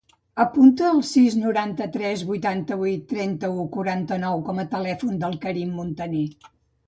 Apunta el sis, noranta-tres, vuitanta-vuit, trenta-u, quaranta-nou com a telèfon del Karim Montaner.